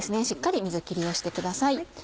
しっかり水きりをしてください。